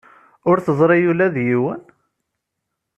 Ur teẓri ula d yiwen?